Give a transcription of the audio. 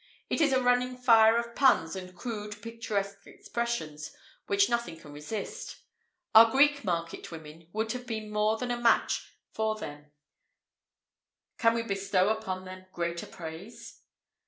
It is a running fire of puns and crude picturesque expressions which nothing can resist; our Greek market women would have been more than a match for them can we bestow upon them greater praise?